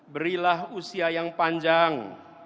berilah usia yang panjang